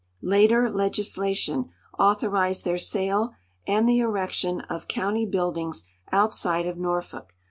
Later legislation authorized their sale and the erection of county l)uildings outside of Norfolk.